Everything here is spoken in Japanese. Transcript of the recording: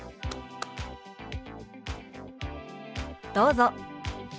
どうぞ。